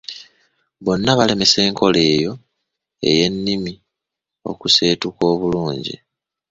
Bonna balemesa enkola eyo ey’ennimi okuseetuka obululngi.